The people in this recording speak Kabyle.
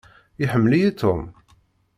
Iḥemmel-iyi Tom?